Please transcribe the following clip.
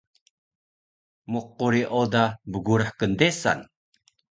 mquri oda bgurah kndesan